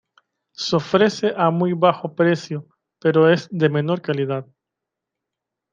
Se ofrece a muy bajo precio, pero es de menor calidad.